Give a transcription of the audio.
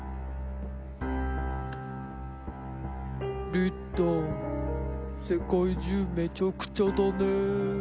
リッたん世界中めちゃくちゃだね。